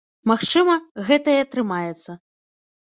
Магчыма, гэта і атрымаецца.